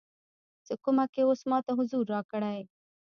څې کومه کې اوس ماته حضور راکړی